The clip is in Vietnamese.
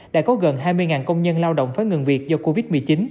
đã có gần hai mươi công nhân lao động phải ngừng việc do covid một mươi chín